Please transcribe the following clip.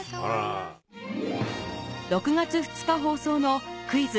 ６月２日放送の『クイズ！